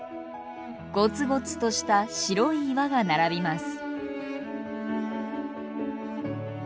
ゴツゴツとした白い岩が並びます。